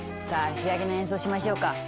さあ仕上げの演奏しましょうか。